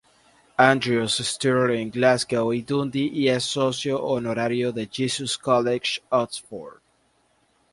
Andrews, Stirling, Glasgow y Dundee y es socio honorario de Jesus College, Oxford.